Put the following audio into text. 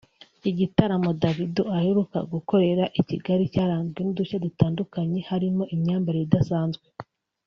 Igitaramo Davido aheruka gukorera i Kigali cyaranzwe n’ udushya dutandukanye harimo imyambarire idasanzwe